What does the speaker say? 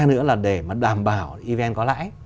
nữa là để mà đảm bảo evn có lãi